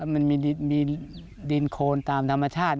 มันมีดินโคนตามธรรมชาติ